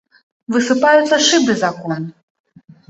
Высыпаюцца шыбы з акон.